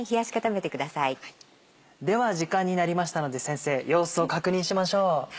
では時間になりましたので先生様子を確認しましょう。